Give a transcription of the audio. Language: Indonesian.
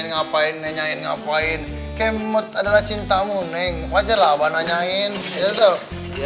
ngapain nanyain ngapain kemot adalah cintamu neng wajar abah nanyain ya tuh